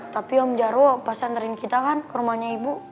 tapi om jaro pas antararin kita kan ke rumahnya ibu